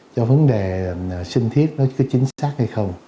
cho vấn đề sinh thiết nó có chính xác hay không